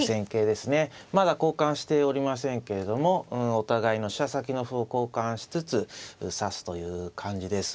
まだ交換しておりませんけれどもお互いの飛車先の歩を交換しつつ指すという感じです。